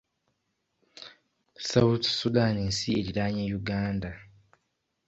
South Sudan nsi erinaanye Uganda.